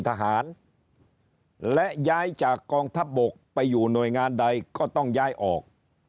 ทหารและย้ายจากกองทัพบกไปอยู่หน่วยงานใดก็ต้องย้ายออก